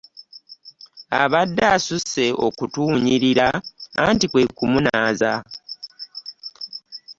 Abadde asusse okutuwunyirira anti kwe kumunaaza.